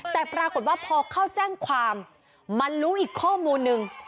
แต่ปรากฏว่าพอเข้าแจ้งความมันรู้อีกข้อมูลนึง